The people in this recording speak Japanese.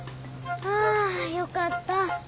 あよかった。